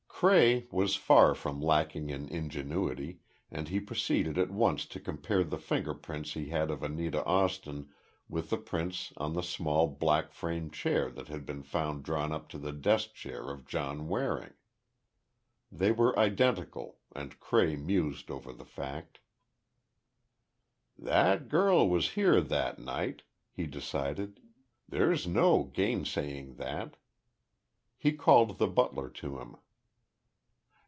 Cray was far from lacking in ingenuity, and he proceeded at once to compare the finger prints he had of Anita Austin with the prints on the small black framed chair that had been found drawn up to the desk chair of John Waring. They were identical and Cray mused over the fact. "That girl was here that night," he decided; "there's no gainsaying that." He called the butler to him.